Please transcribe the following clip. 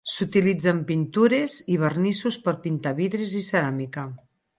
S'utilitza en pintures i vernissos per pintar vidres i ceràmica.